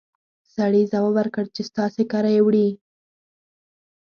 سړي ځواب ورکړ چې ستاسې کره يې وړي!